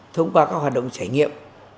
thông qua các hoạt động trải nghiệm